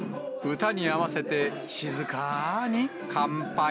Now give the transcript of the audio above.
歌に合わせて、静かーに乾杯。